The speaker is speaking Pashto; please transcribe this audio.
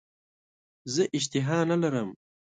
زه اشتها نه لرم .